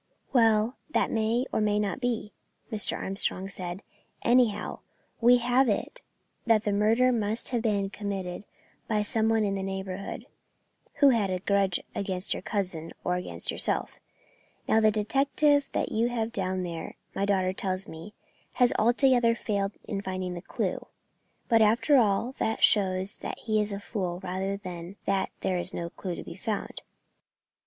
"Well, that may or may not be," Mr. Armstrong said; "anyhow, we have it that the murder must have been committed by some one in the neighbourhood, who had a grudge against your cousin or against yourself. Now, the detective you have had down there, my daughter tells me, has altogether failed in finding the clue; but, after all, that shows that he is a fool rather than that there is no clue to be found.